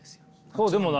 そうでもない？